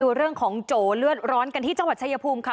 ดูเรื่องของโจเลือดร้อนกันที่จังหวัดชายภูมิค่ะ